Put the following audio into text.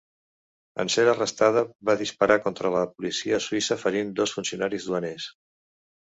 En ser arrestada va disparar contra la policia suïssa ferint dos funcionaris duaners.